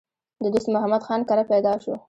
د دوست محمد خان کره پېدا شو